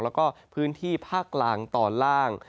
แล้วก็พื้นที่ภาคกลางตอนล่าง